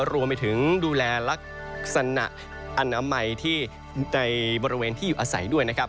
รวมไปถึงดูแลลักษณะอนามัยที่ในบริเวณที่อยู่อาศัยด้วยนะครับ